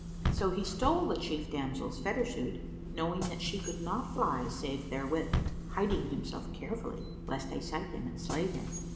So he stole the chief damsel's feather suit, knowing that she could not fly save therewith, hiding himself carefully lest they sight him and slay him.